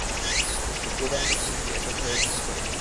কে জানিত কুসুমকে এত ভয়ও শশী করে?